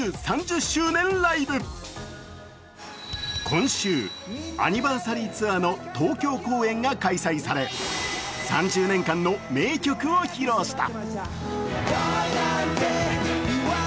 今週、アニバーサリーツアーの東京公演が開催され、３０年間の名曲を披露した。